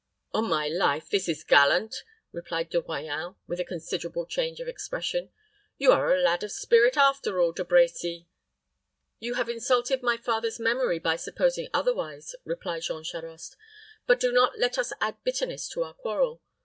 "On my life, this is gallant!" cried De Royans, with a considerable change of expression. "You are a lad of spirit after all, De Brecy." "You have insulted my father's memory by supposing otherwise," replied Jean Charost. "But do not let us add bitterness to our quarrel.